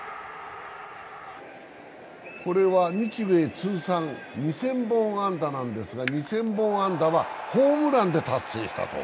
これは日米通算２０００本安打なんですけれども、２０００本安打はホームランで達成したと。